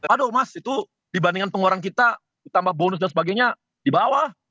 aduh mas itu dibandingkan pengeluaran kita ditambah bonus dan sebagainya di bawah